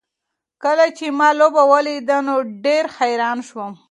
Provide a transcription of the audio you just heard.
کله چې ما لوبه ولیده نو ډېر حیران شوم.